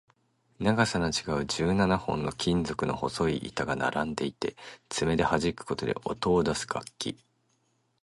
長さの違う十七本の金属の細い板が並んでいて、爪ではじくことで音を出す楽器